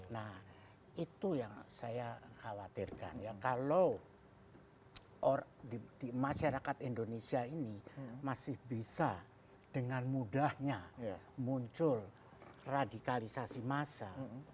nah itu yang saya khawatirkan ya kalau masyarakat indonesia ini masih bisa dengan mudahnya muncul radikalisasi massa